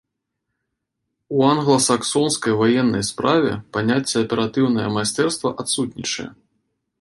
У англасаксонскай ваеннай справе паняцце аператыўнае майстэрства адсутнічае.